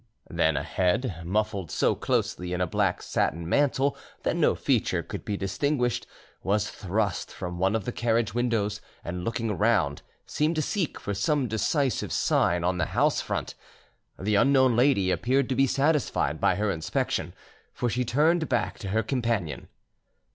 Then a head, muffled so closely in a black satin mantle that no feature could be distinguished, was thrust from one of the carriage windows, and looking around, seemed to seek for some decisive sign on the house front. The unknown lady appeared to be satisfied by her inspection, for she turned back to her companion.